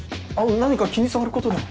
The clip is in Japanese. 何か気に障ることでも。